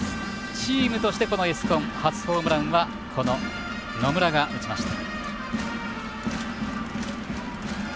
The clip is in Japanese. チームとしてエスコン初ホームランは野村が打ちました。